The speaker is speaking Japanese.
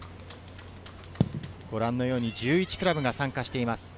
ご覧のように１１クラブが参加しています。